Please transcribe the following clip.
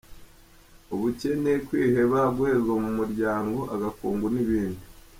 Ubukene, kwiheba, guhezwa mu muryango, agakungu n’ibindi.